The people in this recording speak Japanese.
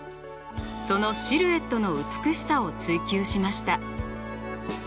そのシルエットの美しさを追求しました。